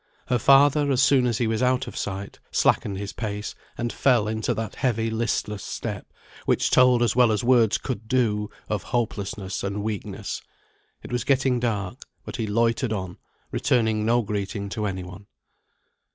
Her father, as soon as he was out of sight, slackened his pace, and fell into that heavy listless step, which told as well as words could do, of hopelessness and weakness. It was getting dark, but he loitered on, returning no greeting to any one.